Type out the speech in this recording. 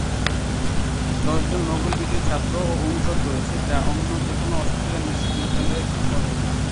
দশজন নোবেল বিজয়ী ছাত্র ও অনুষদ রয়েছে যা অন্য যেকোনও অস্ট্রেলিয়ান বিশ্ববিদ্যালয়ের চেয়ে সর্বাধিক।